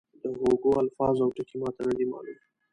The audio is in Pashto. د هوګو الفاظ او ټکي ما ته نه دي معلوم.